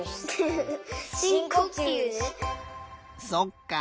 そっか。